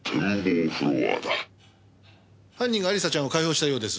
犯人が亜里沙ちゃんを解放したようです。